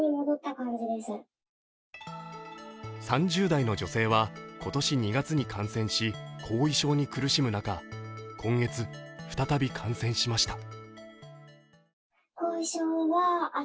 ３０代の女性は今年２月に感染し後遺症に苦しむ中、今月再び感染しました。